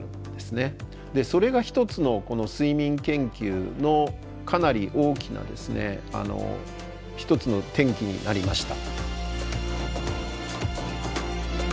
それが一つの睡眠研究のかなり大きなですね一つの転機になりました。